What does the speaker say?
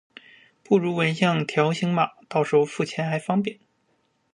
不如纹上条形码，到时候付钱还方便